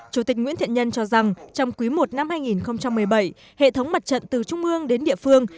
chủ tịch nguyễn thiện nhân cho rằng trong quý i năm hai nghìn một mươi bảy hệ thống mặt trận từ trung ương đến địa phương